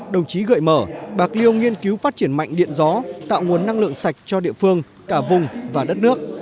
đồng chí gợi mở bạc liêu nghiên cứu phát triển mạnh điện gió tạo nguồn năng lượng sạch cho địa phương cả vùng và đất nước